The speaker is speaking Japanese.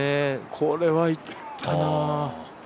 これはいったなあ